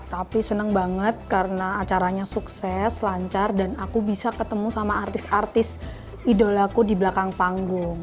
tapi senang banget karena acaranya sukses lancar dan aku bisa ketemu sama artis artis idolaku di belakang panggung